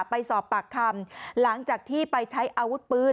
ไปสอบปากคำหลังจากที่ไปใช้อาวุธปืน